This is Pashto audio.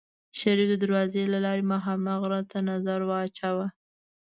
شريف د دروازې له لارې مخامخ غره ته نظر واچوه.